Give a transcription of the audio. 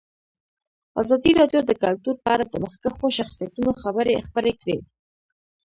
ازادي راډیو د کلتور په اړه د مخکښو شخصیتونو خبرې خپرې کړي.